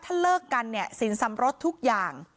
ถ้าเลิกกันเนี่ยสินสำรสทุกอย่าง